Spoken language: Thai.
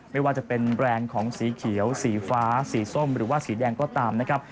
ไม่ว่าจะเป็นแบรนด์ของสีเขียวสีฟ้าสีส้มหรือว่าสีแดงก็ตามนะครับ